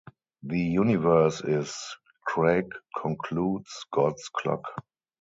The universe is, Craig concludes, God's clock.